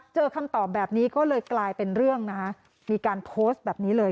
คำตอบแบบนี้ก็เลยกลายเป็นเรื่องนะคะมีการโพสต์แบบนี้เลย